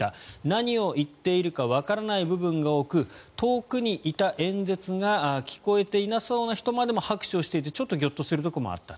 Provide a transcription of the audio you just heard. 何を言っているかわからない部分が多く遠くにいた演説が聞こえていなそうな人までも拍手をしていてちょっとギョッとするところもあった。